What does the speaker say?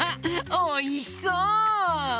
おいしそう！